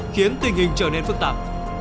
khiến tình hình trở nên phức tạp